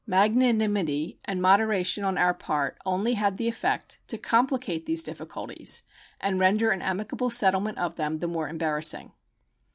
Magnanimity and moderation on our part only had the effect to complicate these difficulties and render an amicable settlement of them the more embarrassing.